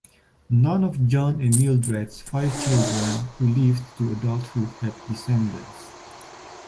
None of John and Mildred's five children who lived to adulthood had descendants.